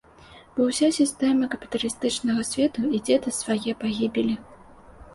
Бо ўся сістэма капіталістычнага свету ідзе да свае пагібелі.